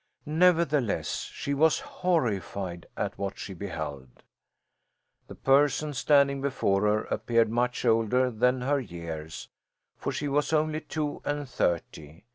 Nevertheless, she was horrified at what she beheld. The person standing before her appeared much older than her years; for she was only two and thirty.